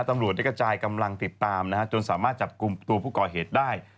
ตำรวจได้กระจายกำลังติดตามนะฮะจนสามารถจับกลุ่มตัวผู้ก่อเหตุได้